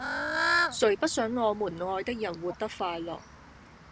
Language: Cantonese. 誰不想我們愛的人活得快樂